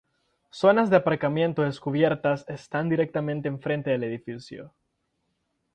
Zonas de aparcamiento descubiertas están directamente en frente del edificio.